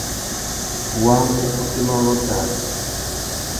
U wāmú otémá rôō tari ?